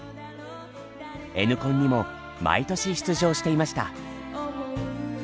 Ｎコンにも毎年出場していました。